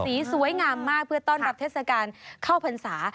สีสวยงามมากเพื่อต้อนรับเทศกาลเข้าพรรษา